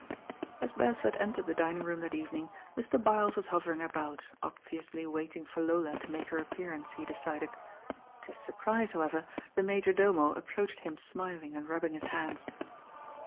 As Beresford entered the dining room that eve nmg, Mr. Byles was hovering about, obviously wait ing for Lola to make her appearance, he decided. To his surprise, however, the major domo ap proached him smiling and rubbing his hands.